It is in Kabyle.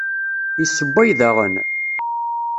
Yessewway daɣen?